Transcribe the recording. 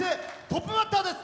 トップバッターです。